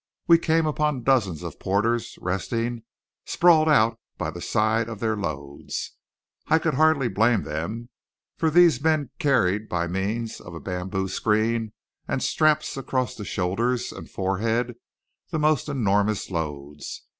We came upon dozens of porters resting sprawled out by the side of their loads. I could hardly blame them; for these men carried by means of a bamboo screen and straps across the shoulders and forehead the most enormous loads.